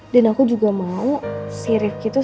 dan aku juga mau si rifki tuh